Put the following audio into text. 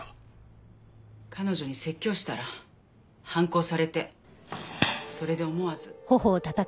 彼女に説教したら反抗されてそれで思わず。